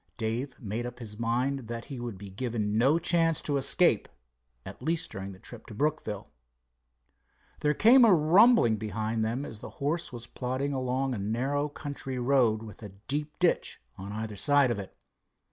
Dave made up his mind that he would be given no chance to escape, at least during the trip to Brookville. There came a rumbling behind them as the horse was plodding along a narrow country road with a deep ditch on either side of it.